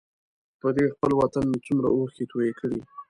په دې خپل وطن مې څومره اوښکې توی کړې.